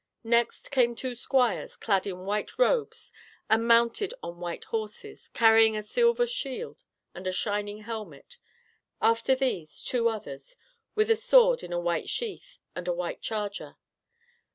Next came two squires, clad in white robes and mounted on white horses, carrying a silver shield and a shining helmet; after these, two others, with a sword in a white sheath and a white charger.